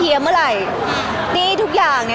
พี่ตอบได้แค่นี้จริงค่ะ